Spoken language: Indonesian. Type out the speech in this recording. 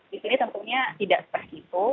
di sini tentunya tidak seperti itu